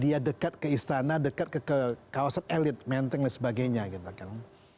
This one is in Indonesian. dia dekat ke istana dekat ke kawasan elit menteng dan sebagainya gitu kan